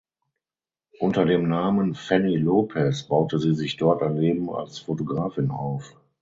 Unter dem Namen Fanny Lopez baute sie sich dort ein Leben als Fotografin auf.